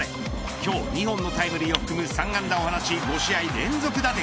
今日２本のタイムリーを含む３安打を放ち５試合連続打点。